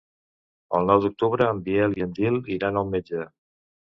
El nou d'octubre en Biel i en Gil iran al metge.